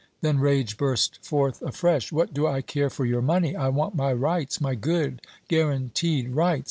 Then rage burst forth afresh "What do I care for your money? I want my rights, my good, guaranteed rights.